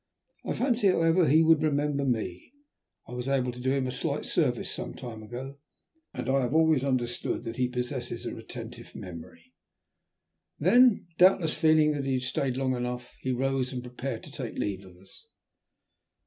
I fancy, however, he would remember me. I was able to do him a slight service some time ago, and I have always understood that he possesses a retentive memory." Then, doubtless feeling that he had stayed long enough, he rose and prepared to take leave of us.